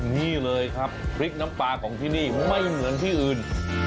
นี่เลยครับพริกน้ำปลาของที่นี่ไม่เหมือนที่อื่น